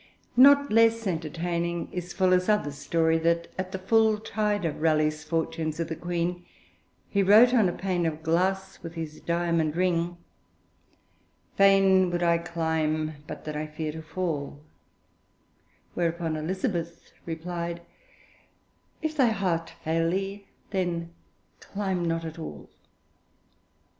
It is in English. Not less entertaining is Fuller's other story, that at the full tide of Raleigh's fortunes with the Queen, he wrote on a pane of glass with his diamond ring: Fain would I climb, but that I fear to fall, whereupon Elizabeth replied, If thy heart fail thee, then climb not at all.